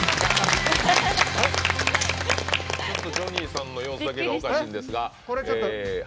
ジョニーさんの様子がおかしいんですが。